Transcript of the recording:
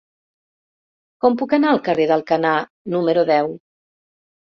Com puc anar al carrer d'Alcanar número deu?